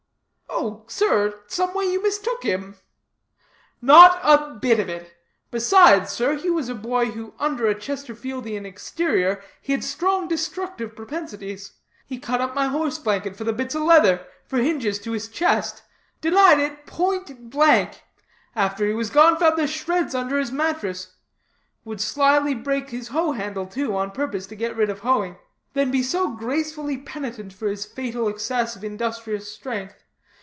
"Oh, sir, some way you mistook him." "Not a bit of it. Besides, sir, he was a boy who under a Chesterfieldian exterior hid strong destructive propensities. He cut up my horse blanket for the bits of leather, for hinges to his chest. Denied it point blank. After he was gone, found the shreds under his mattress. Would slyly break his hoe handle, too, on purpose to get rid of hoeing. Then be so gracefully penitent for his fatal excess of industrious strength.